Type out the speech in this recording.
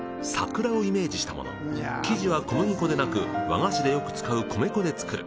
生地は小麦粉でなく和菓子でよく使う米粉で作る。